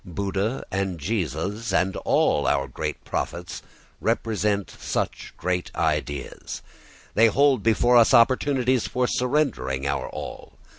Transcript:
Buddha and Jesus, and all our great prophets, represent such great ideas. They hold before us opportunities for surrendering our all.